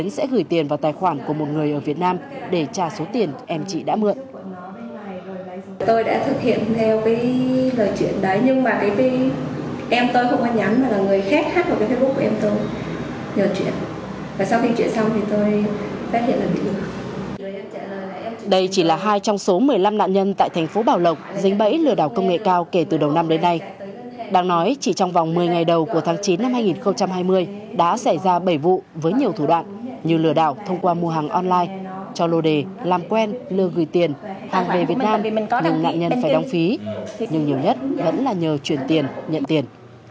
năm hai nghìn hai mươi đã xảy ra bảy vụ với nhiều thủ đoạn như lừa đảo thông qua mua hàng online cho lô đề làm quen lừa gửi tiền hàng về việt nam nhưng nạn nhân phải đóng phí nhưng nhiều nhất vẫn là nhờ chuyển tiền nhận tiền